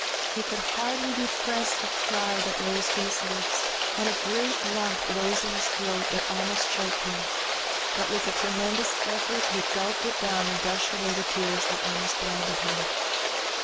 He could hardly repress a cry that rose to his lips, and a greskt lump rose in his throat that almost choked him; but with a tremendous eflFort he gulped it down, and brushed away the tears that almost blinded him.